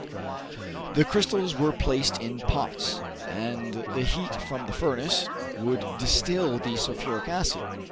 The crystals were placed in pots, and the heat from the furnace would distil the sulphuric acid.